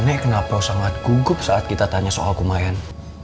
nek kenapa sangat gugup saat kita tanya soal kumahyan